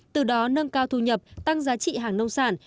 từ đó nâng cao thu nhập tăng giá trị hàng nông sản